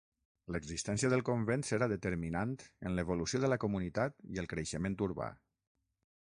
L'existència del convent serà determinant en l'evolució de la comunitat i el creixement urbà.